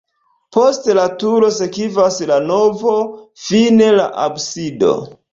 Post la turo sekvas la navo, fine la absido.